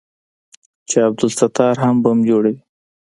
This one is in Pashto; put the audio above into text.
چې عبدالستار بم جوړوي.